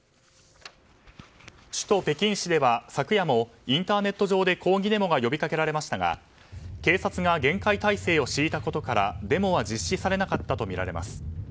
首都・北京市では昨夜もインターネット上で抗議デモが呼び掛けられましたが警察が厳戒態勢を敷いたことからデモは実施されなかったとみられます。